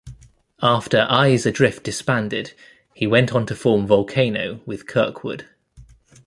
After Eyes Adrift disbanded, he went on to form Volcano with Kirkwood.